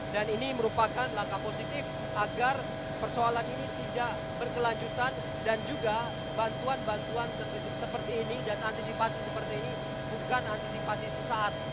dan ini merupakan langkah positif agar persoalan ini tidak berkelanjutan dan juga bantuan bantuan seperti ini dan antisipasi seperti ini bukan antisipasi sesaat